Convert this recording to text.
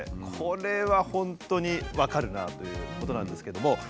これは本当に分かるなあということなんですけども。